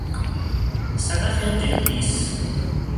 صدف دلدیس